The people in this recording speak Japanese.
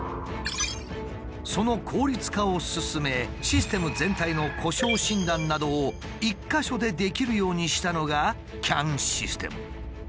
その効率化を進めシステム全体の故障診断などを１か所でできるようにしたのがＣＡＮシステム。